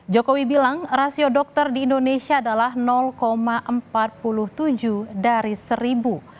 jokowi bilang rasio dokter di indonesia adalah empat puluh tujuh dari seribu